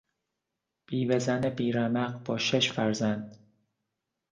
بیوهزن بیرمق با شش فرزند